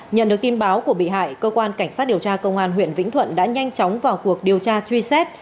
nhận được tin báo của bị hại cơ quan cảnh sát điều tra công an huyện vĩnh thuận đã nhanh chóng vào cuộc điều tra truy xét